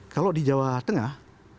kalau di jawa tengah